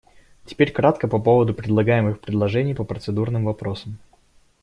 Теперь кратко по поводу предлагаемых предложений по процедурным вопросам.